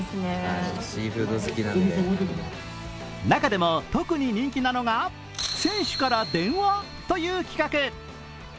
中でも特に人気なのが選手から電話？！という企画。